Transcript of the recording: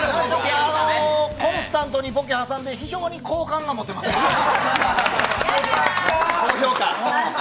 コンスタントにボケ挟んで、非常に好感が持てますわ。